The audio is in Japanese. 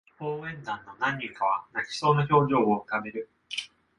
応援団の何人かは泣きそうな表情を浮かべる